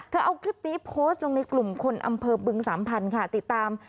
เอาคลิปนี้โพสต์ลงในกลุ่มคนอำเภอบึงสามพันธุ์ค่ะติดตาม